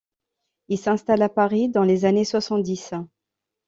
Il s'installe à Paris dans les années soixante-dix.